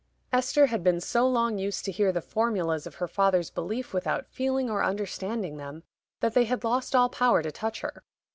Esther had been so long used to hear the formulas of her father's belief without feeling or understanding them, that they had lost all power to touch her.